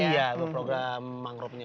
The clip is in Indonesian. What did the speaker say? iya program mangrovenya